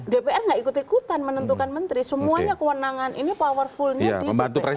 dpr tidak ikut ikutan menentukan menteri semuanya kewenangan ini powerfulnya di dpr